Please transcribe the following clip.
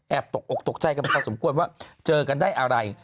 แอบตกออกตกใจกับเขาสมควรว่าเจอกันได้อะไร